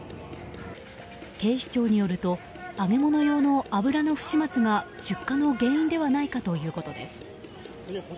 警視庁によると揚げ物用の油の不始末が出火の原因ではないかということです。